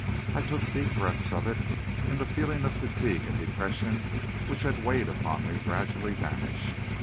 I took deep breaths of it, and the feeling of fatigue and depression which had weighed upon me gradually vanished.